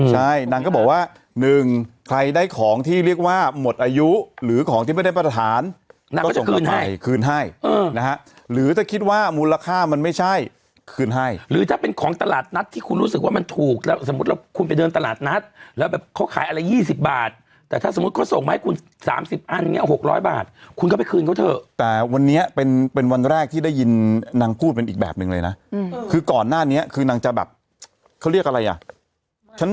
ใช่นางก็บอกว่าหนึ่งใครได้ของที่เรียกว่าหมดอายุหรือของที่ไม่ได้ประธานนางก็จะคืนให้คืนให้นะฮะหรือถ้าคิดว่ามูลค่ามันไม่ใช่คืนให้หรือถ้าเป็นของตลาดนัดที่คุณรู้สึกว่ามันถูกแล้วสมมุติเราคุณไปเดินตลาดนัดแล้วแบบเขาขายอะไรยี่สิบบาทแต่ถ้าสมมุติเขาส่งมาให้คุณสามสิบอันนี้เอาหกร้อยบาท